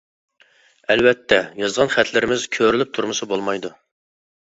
ئەلۋەتتە يازغان خەتلىرىمىز كۆرۈلۈپ تۇرمىسا بولمايدۇ.